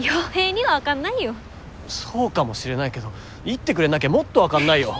そうかもしれないけど言ってくれなきゃもっと分かんないよ。